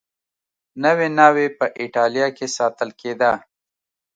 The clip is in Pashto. نوې ناوې په اېټالیا کې ساتل کېده